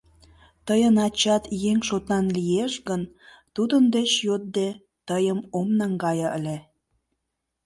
Тыйын ачат еҥ шотан лиеш гын, тудын деч йӧнде, тыйым ом наҥгае ыле.